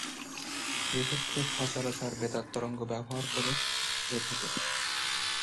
এক্ষেত্রে সচরাচর বেতার তরঙ্গ ব্যবহার করা হয়ে থাকে।